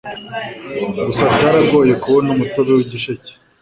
Gusa byarangoye kubona umutobe w'igisheke